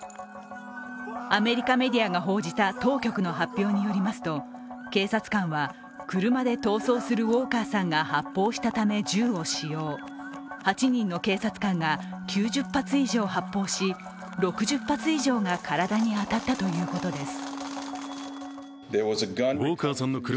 アメリカメディアが報じた当局の発表によりますと警察官は、車で逃走するウォーカーさんが発砲したため銃を使用、８人の警察官が９０発以上発砲し、６０発以上が体に当たったということです。